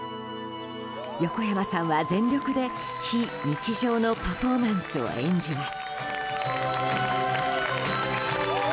横山さんは全力で非日常のパフォーマンスを演じます。